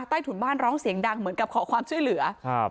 ถุนบ้านร้องเสียงดังเหมือนกับขอความช่วยเหลือครับ